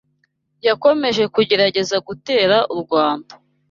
yakomeje kugerageza gutera u Rwanda